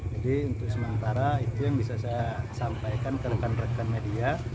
jadi untuk sementara itu yang bisa saya sampaikan ke rekan rekan media